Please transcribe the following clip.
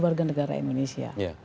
warga negara indonesia